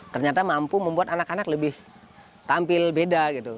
ternyata mampu membuat anak anak lebih tampil beda gitu